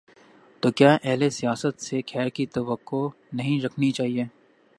تو کیا اہل سیاست سے خیر کی توقع نہیں رکھنی چاہیے؟